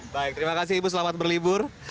baik terima kasih ibu selamat berlibur